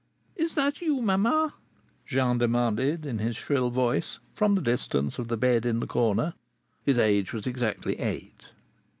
"Is that you, mamma?" Jean demanded in his shrill voice, from the distance of the bed in the corner. His age was exactly eight.